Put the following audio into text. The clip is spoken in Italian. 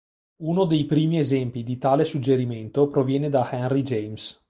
Uno dei primi esempi di tale suggerimento proviene da Henry James.